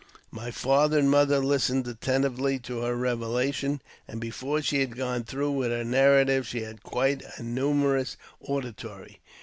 My father aud^ mother listened attentively to her revelation ; and, before had got through with her narrative, she had quite a numerous auditory.